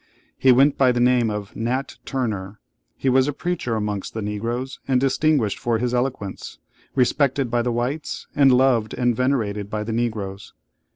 He went by the name of "Nat Turner." He was a preacher amongst the Negroes, and distinguished for his eloquence, respected by the whites, and loved and venerated by the Negroes.